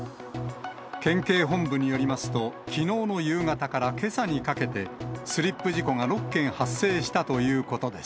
県警本部によりますと、きのうの夕方からけさにかけて、スリップ事故が６件発生したということです。